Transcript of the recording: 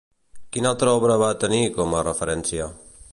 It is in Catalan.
Quina altra obra va tenir com a referència?